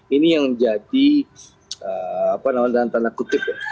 ini yang menjadi apa namanya tanda kutip ya